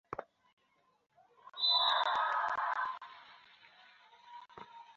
যারা তোমাদের নিজ সামর্থ্য সম্পর্কে সন্দিহান, আমিও একসময় তাদের অবস্থানে ছিলাম।